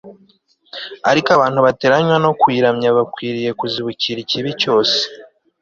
ariko abantu bateranywa no kuyiramya bakwiriye kuzibukira ikibi cyose